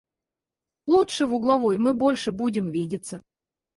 Лучше в угловой, мы больше будем видеться.